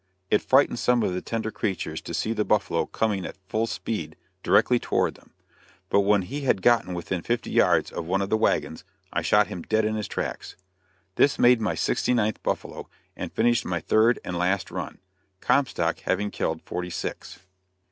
It frightened some of the tender creatures to see the buffalo coming at full speed directly toward them; but when he had got within fifty yards of one of the wagons, I shot him dead in his tracks. This made my sixty ninth buffalo, and finished my third and last run, Comstock having killed forty six.